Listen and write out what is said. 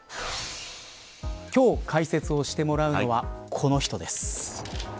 今日解説をしてもらうのはこの人です。